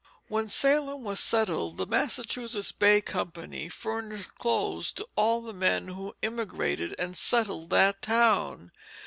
When Salem was settled the Massachusetts Bay Company furnished clothes to all the men who emigrated and settled that town.